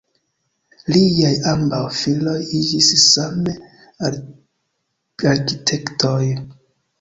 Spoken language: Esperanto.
Liaj ambaŭ filoj iĝis same arkitektoj.